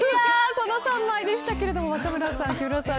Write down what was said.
この３枚でしたけれども若村さん、木村さん